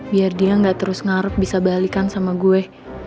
biar dia gak terus ngarep bisa balikan sama gue